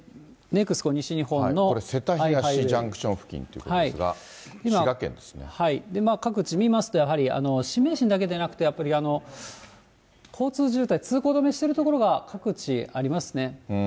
瀬田東ジャンクション付近と各地見ますとやはり、新名神だけでなくて、やっぱり交通渋滞、通行止めしてる所が各地ありますね。